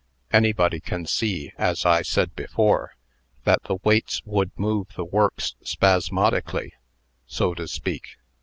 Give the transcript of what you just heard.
Anybody can see, as I said before, that the weights would move the works spasmodically, so to speak.